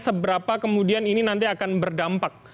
seberapa kemudian ini nanti akan berdampak